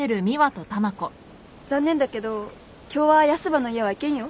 残念だけど今日はヤスばの家は行けんよ。